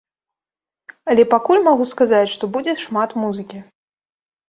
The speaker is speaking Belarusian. Але пакуль магу сказаць, што будзе шмат музыкі.